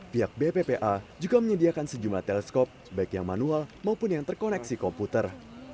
pihak bppa juga menyediakan sejumlah teleskop baik yang manual maupun yang terkoneksi komputer